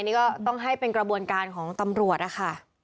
นี่ก็ต้องให้เป็นกระบวนการของตำรวจนะคะ